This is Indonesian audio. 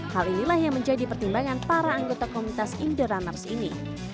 hal inilah yang menjadi pertimbangan para anggota komunitas indorunners ini